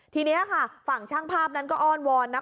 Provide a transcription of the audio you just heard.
ทีนี้ค่ะฝั่งช่างภาพนั้นก็อ้อนวอนนะคะ